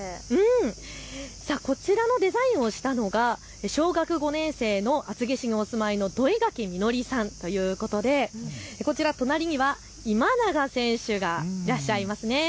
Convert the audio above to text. こちらのデザインをしたのが小学５年生の厚木市にお住まいの土井垣実紀さんということでこちら隣には今永選手がいらっしゃいます。